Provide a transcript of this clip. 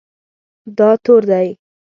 دا تور دی